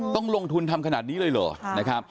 ต้องลงทุนทำขนาดนี้เลยเหรอนะครับ